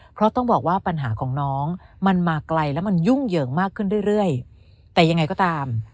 เพราะต้องบอกว่าปัญหาของน้องมันมาไกลแล้วมันยุ่งเหยิงมากขึ้นเรื่อยแต่ยังไงก็ตาม